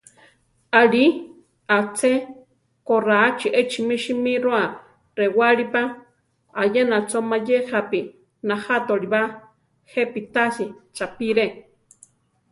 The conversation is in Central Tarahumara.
Ali aché, koráchi échimi simíroa rewálipa; ayena cho mayé jápi najátoliba; jepi tasí chaʼpire.